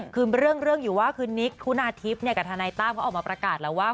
คือเรื่องอยู่ว่าคือนิกคุณาทิพย์กับทนายตั้มเขาออกมาประกาศแล้วว่า